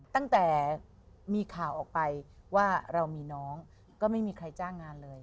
ตั้งแต่มีข่าวออกไปว่าเรามีน้องก็ไม่มีใครจ้างงานเลย